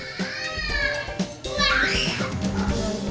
sejumlah anggota persatuan berkata